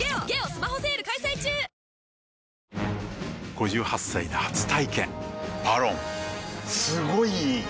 ５８歳で初体験「ＶＡＲＯＮ」すごい良い！